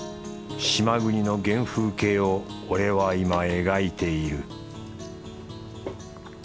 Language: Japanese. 島国の原風景を俺は今描いている